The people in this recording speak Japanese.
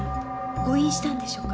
誤飲したんでしょうか？